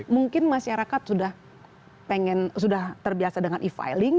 mungkin masyarakat sudah terbiasa dengan e filing